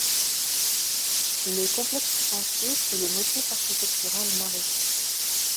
Le complexe tout entier suit le motif architectural marocain.